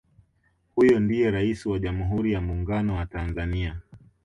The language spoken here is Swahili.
Huyo ndiye Rais wa jamhuri ya Muungano wa Tanzania